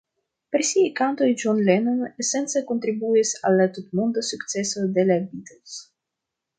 Per siaj kantoj John Lennon esence kontribuis al la tutmonda sukceso de la Beatles.